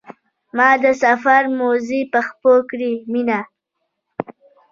ما د سفر موزې په پښو کړې مینه.